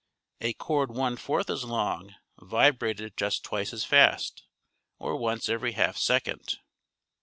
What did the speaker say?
A cord one fourth as long vibrated just twice as fast, or once every half second.